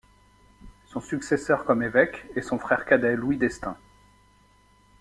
Son successeur comme évêque est son frère cadet Louis d'Estaing.